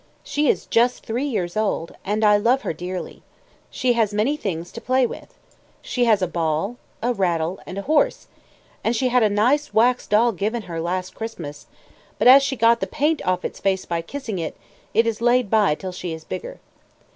She is just three years old, and I love her dearly. She has many things to play with. She has a ball, a rattle, and a horse; and she had a nice wax doll given her last Christmas, but as she got the paint off its face by kissing, it is laid by till she is bigger.